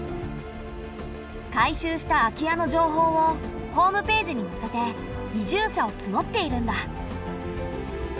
改修した空き家の情報をホームページにのせて移住者をつのっているんだ。